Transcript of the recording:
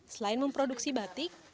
selain memproduksi batik